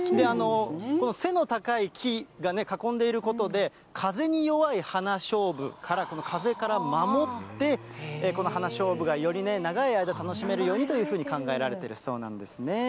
この背の高い木が囲んでいることで、風に弱い花しょうぶから、この風から守って、この花しょうぶがより長い間、楽しめるようにと考えられてるそうなんですね。